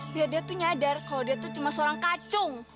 biar dia tuh nyadar kalau dia tuh cuma seorang kacang